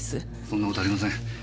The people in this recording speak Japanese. そんな事ありません。